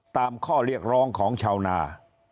ตามข้อเรียกร้องของชาวนา